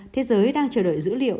thế giới đang chờ đợi dữ liệu